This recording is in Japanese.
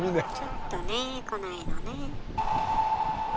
ちょっとね来ないのね。